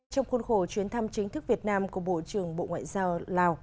trong khuôn khổ chuyến thăm chính thức việt nam của bộ trưởng bộ ngoại giao lào